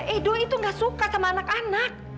edo itu gak suka sama anak anak